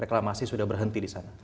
reklamasi sudah berhenti di sana